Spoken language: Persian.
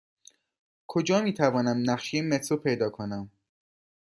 کجا می توانم نقشه مترو پیدا کنم؟